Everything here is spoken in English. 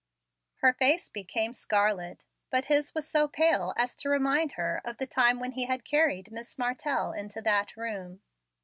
Her face became scarlet, but his was so pale as to remind her of the time when he had carried Miss Martell into that room.